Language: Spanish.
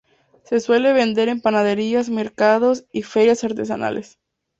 Se suele vender en panaderías, mercados y ferias artesanales.